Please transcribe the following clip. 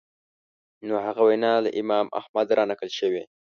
نو هغه وینا له امام احمد رانقل شوې